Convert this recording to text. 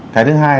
cái thứ hai